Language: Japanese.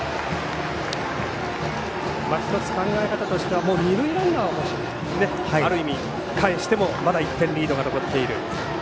１つ考え方としては二塁ランナーをある意味、かえしてもまだ１点リードが残っている。